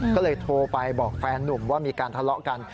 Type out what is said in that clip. ก็เลยโทรไปบอกแฟนนุ่มว่ามีการทะเลาะกัน